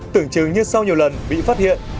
tưởng chứng như sau nhiều lần bị phát hiện